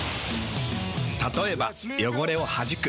たとえば汚れをはじく。